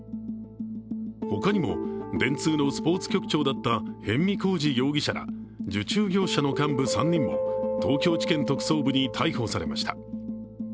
他にも電通のスポーツ局長だった逸見晃治容疑者ら受注業者の幹部３人も東京地検特捜部に逮捕されました。